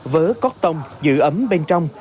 vớ cót tông giữ ấm bên trong